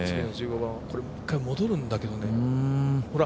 これ、１回戻るんだけどね、ほら。